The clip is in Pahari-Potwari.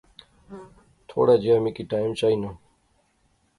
تھوڑا جہیا می کی ٹیم چائینا